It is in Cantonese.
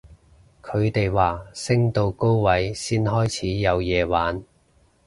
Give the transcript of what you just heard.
佢哋話升到高位先開始有嘢玩